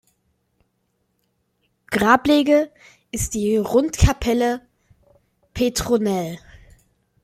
Grablege ist die Rundkapelle Petronell.